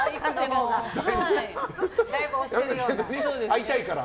会いたいから？